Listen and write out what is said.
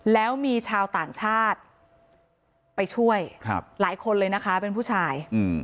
แล้วมีชาวต่างชาติไปช่วยหลายคนเลยนะคะเป็นผู้ชาย